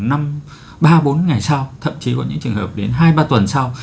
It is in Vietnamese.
năm ba bốn ngày sau thậm chí có những trường hợp đến hai ba tuần sau